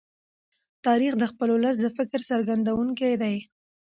تاریخ د خپل ولس د فکر څرګندونکی دی.